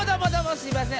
すいません